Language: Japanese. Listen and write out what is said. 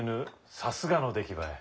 さすがの出来栄え。